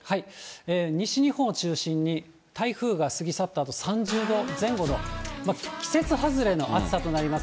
西日本を中心に台風が過ぎ去ったあと、３０度前後の、季節外れの暑さとなります。